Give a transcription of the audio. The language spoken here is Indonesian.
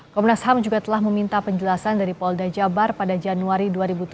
komnas ham juga telah meminta penjelasan dari polda jabar pada januari dua ribu tujuh belas